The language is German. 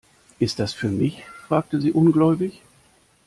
"Ist das für mich?", fragte sie ungläubig.